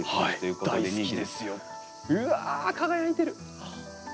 うわ輝いてる。